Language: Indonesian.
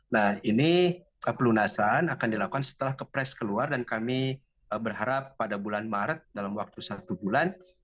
nah ini pelunasan akan dilakukan setelah kepres keluar dan kami berharap pada bulan maret dalam waktu satu bulan